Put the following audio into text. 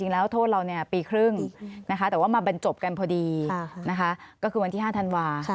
แล้วก็เจ้าหมายฉบับนั้นก็คือแบบทั้งขอโทษเรื่องที่ว่าเขา